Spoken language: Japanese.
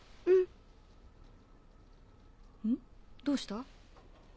どうした？